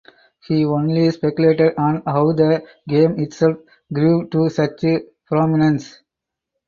He only speculated on how the game itself grew to such prominence.